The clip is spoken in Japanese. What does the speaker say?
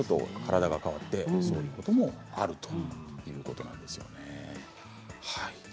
体が変わってそういうこともあるということです。